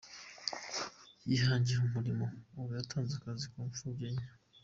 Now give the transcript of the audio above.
Yihangiye umurimo, ubu yatanze akazi ku mfubyi enye.